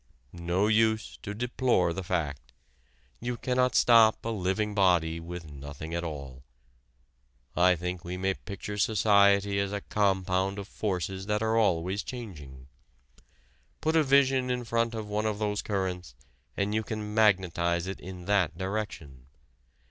No use to deplore the fact. You cannot stop a living body with nothing at all. I think we may picture society as a compound of forces that are always changing. Put a vision in front of one of these currents and you can magnetize it in that direction.